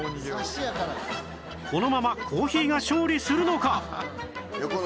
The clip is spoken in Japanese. このままコーヒーが勝利するのか！？